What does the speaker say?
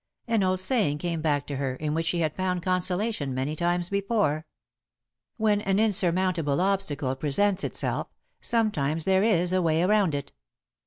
An old saying came back to her in which she had found consolation many times before. "When an insurmountable obstacle presents itself, sometimes there is a way around it."